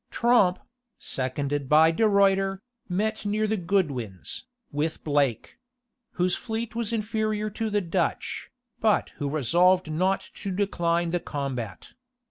Tromp, seconded by De Ruiter, met near the Goodwins, with Blake; whose fleet was inferior to the Dutch, but who resolved not to decline the combat.